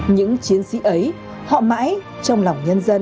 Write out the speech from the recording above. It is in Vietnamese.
những chiến sĩ ấy họ mãi trong lòng nhân dân